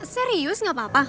serius gak papa